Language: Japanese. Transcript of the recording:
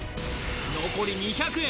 残り２００円